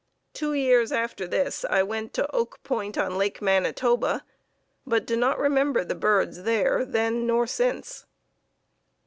Two years after this I went to Oak Point on Lake Manitoba, but do not remember the birds there then nor since."